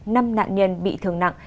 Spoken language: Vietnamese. năm nạn nhân bị thường nặng